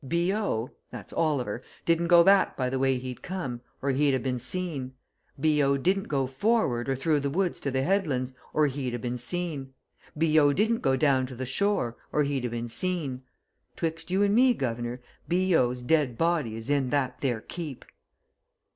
B.O. that's Oliver didn't go back by the way he'd come, or he'd ha' been seen. B.O. didn't go forward or through the woods to the headlands, or he'd ha' been seen, B.O. didn't go down to the shore, or he'd ha' been seen. 'Twixt you and me, guv'nor, B.O.'s dead body is in that there Keep!"